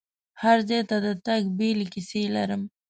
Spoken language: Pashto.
هر ځای ته د تګ بیلې کیسې لرم.